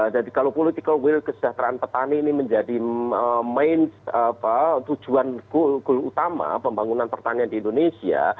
jadi kalau political will kesejahteraan petani ini menjadi main tujuan goal utama pembangunan pertanian di indonesia